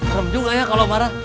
serem juga ya kalau marah